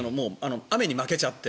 雨に負けちゃって。